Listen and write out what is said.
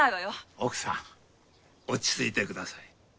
奥さん落ち着いてください。